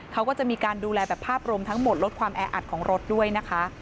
เขาก็จะมีการดูแลแบบภาพรวมทั้งหมดลดความแออัดของรถด้วยนะคะ